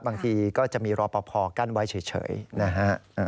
บางทีก็จะมีรอปภกั้นไว้เฉยนะฮะ